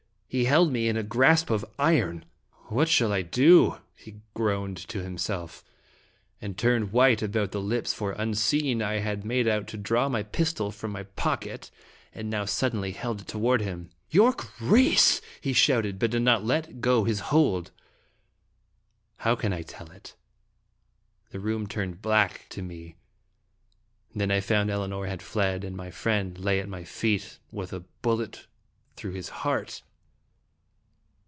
He held me in a grasp of iron. " What shall I do?" he groaned to himself, and turned white about the lips, for unseen I had made out to draw my pistol from my pocket, and now suddenly held it toward him. " Yorke Rhys !" he shouted, but did not let go his hold. How can I tell it? The room turned black to me. Then I found Elinor had fled, and my friend lay at my feet with a bullet through his heart